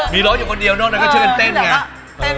มีร้องอยู่คนเดียวนอกนั้นก็ช่วยกันเต้นไง